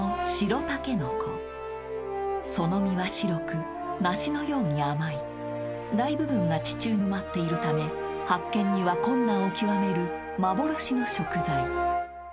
［その身は白く梨のように甘い大部分が地中に埋まっているため発見には困難を極める幻の食材］